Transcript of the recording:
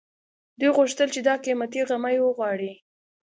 دوی غوښتل چې دا قيمتي غمی وغواړي